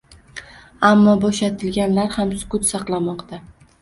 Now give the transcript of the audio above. Ammo bo‘shatilganlar ham sukut saqlamoqda.